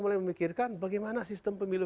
mulai memikirkan bagaimana sistem pemilu